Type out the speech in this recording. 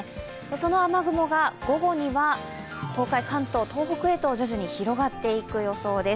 その雨雲が午後には東海、関東、東北へと徐々に広がっていく予想です。